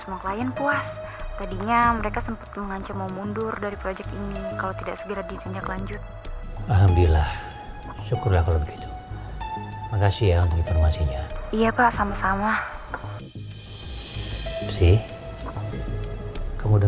ohh yang penting tangan kamu gak kena penampak kan